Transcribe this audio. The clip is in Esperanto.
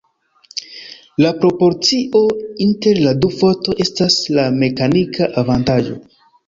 La proporcio inter la du fortoj estas la mekanika avantaĝo.